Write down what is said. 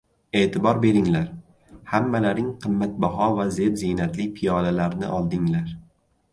– Eʼtibor beringlar, hammalaring qimmatbaho va zeb-ziynatli piyolalarni oldinglar.